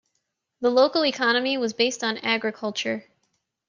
The local economy was based on agriculture.